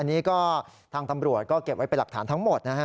อันนี้ก็ทางตำรวจก็เก็บไว้เป็นหลักฐานทั้งหมดนะฮะ